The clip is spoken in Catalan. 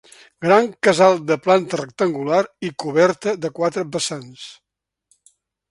Gran casal de planta rectangular i coberta de quatre vessants.